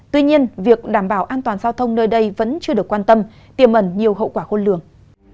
tuy nhiên việc đảm bảo an toàn giao thông nơi đây vẫn chưa được quan tâm tiềm ẩn nhiều hậu quả khôn lường